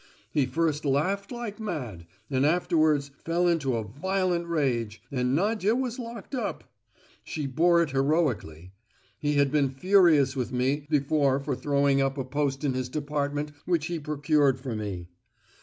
He first laughed like mad, and afterwards fell into a violent rage, and Nadia was locked up. She bore it heroically. He had been furious with me before for throwing up a post in his department which he procured for me.